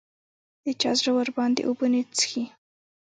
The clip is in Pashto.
د چا زړه ورباندې اوبه نه څښي